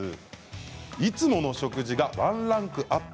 いつもの食事がワンランクアップ。